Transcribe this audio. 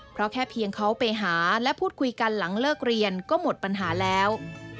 เพราะแค่เพียงเขาไปหาและพูดคุยกันหลังเลิกเรียนก็หมดปัญหาแล้ว